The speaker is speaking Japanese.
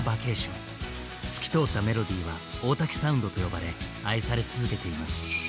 透き通ったメロディーは大滝サウンドと呼ばれ愛され続けています。